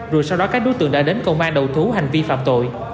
rồi sau đó các đối tượng đã đến cầu mang đầu thú hành vi phạm tội